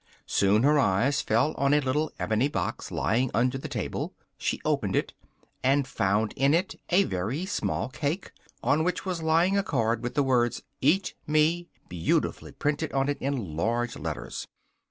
Soon her eyes fell on a little ebony box lying under the table: she opened it, and found in it a very small cake, on which was lying a card with the words EAT ME beautifully printed on it in large letters.